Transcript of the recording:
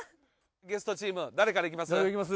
ゲストチーム誰からいきます？